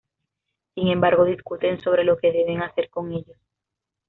Sin embargo, discuten sobre lo que deben hacer con ellos.